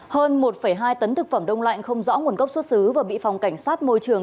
hơn một hai tấn thực phẩm đông lạnh không rõ nguồn gốc xuất xứ vừa bị phòng cảnh sát môi trường